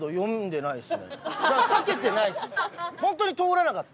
避けてないですね。